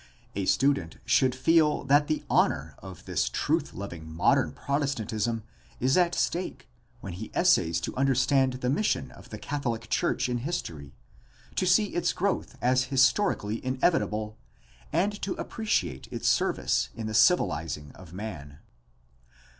A student should feel that the honor of this truth loving modern Protestantism is at stake when he essays to understand the mission of the Catholic church in history, to see its growth as historically inevitable, and to appreciate its service in the civilizing of man.